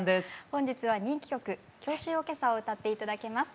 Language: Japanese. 本日は人気曲「郷愁おけさ」を歌って頂きます。